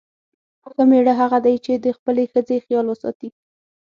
ښه میړه هغه دی چې د خپلې ښځې خیال وساتي.